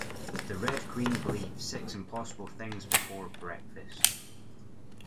The Red Queen believed six impossible things before breakfast